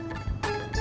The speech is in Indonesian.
terima kasih selama ini